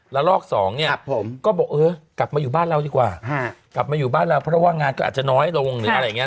ละลอก๒เนี่ยก็บอกเออกลับมาอยู่บ้านเราดีกว่ากลับมาอยู่บ้านเราเพราะว่างานก็อาจจะน้อยลง